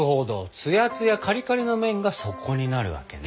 つやつやカリカリな面が底になるわけね。